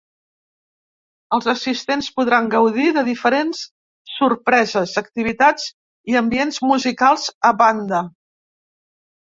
Els assistents podran gaudir de diferents sorpreses, activitats i ambients musicals a banda.